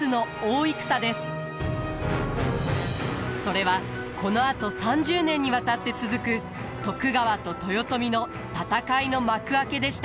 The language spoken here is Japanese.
それはこのあと３０年にわたって続く徳川と豊臣の戦いの幕開けでした。